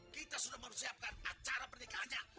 kita sudah mempersiapkan acara pernikahannya